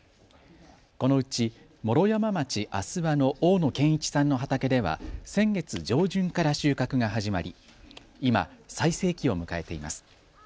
このうち、毛呂山町阿諏訪の大野謙一さんの畑では先月上旬から収穫が始まり、今、最盛期を迎えています。